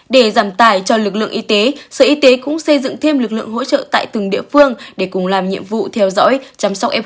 để giảm tài cho lực lượng y tế sở y tế cũng xây dựng thêm lực lượng hỗ trợ tại từng địa phương để cùng làm nhiệm vụ theo dõi chăm sóc